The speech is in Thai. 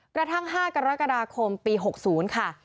กระทั่ง๕กรกฎาคมปี๖๐ค่ะ